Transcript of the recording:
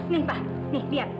nih pak nih lihat